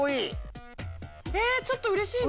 ちょっとうれしいな。